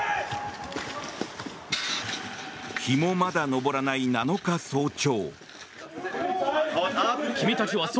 日もまだ昇らない７日早朝。